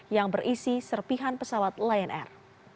yang berisi serpihan pesawat lion air